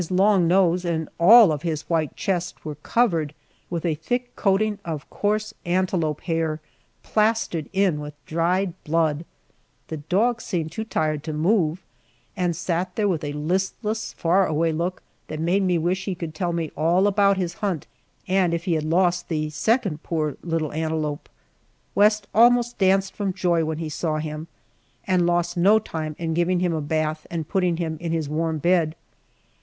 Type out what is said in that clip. His long nose and all of his white chest were covered with a thick coating of coarse antelope hair plastered in with dried blood. The dog seemed too tired to move, and sat there with a listless, far away look that made me wish he could tell all about his hunt, and if he had lost the second poor little antelope. West almost danced from joy when he saw him, and lost no time in giving him a bath and putting him in his warm bed.